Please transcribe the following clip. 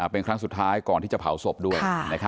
เป็นครั้งสุดท้ายก่อนที่จะเผาศพด้วย